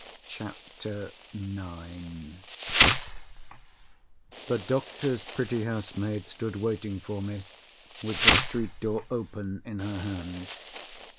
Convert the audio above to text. CHAPTER IX The doctor's pretty housemaid stood waiting for me, with the street door open in her hand.